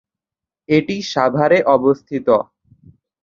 এটি সাভারে অবস্থিত।